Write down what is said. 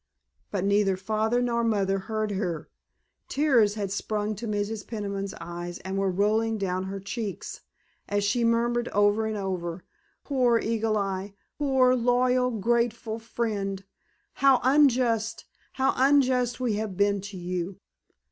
But neither Father nor Mother heard her. Tears had sprung to Mrs. Peniman's eyes and were rolling down her cheeks, as she murmured over and over, "Poor Eagle Eye, poor loyal, grateful friend, how unjust, how unjust we have been to you!"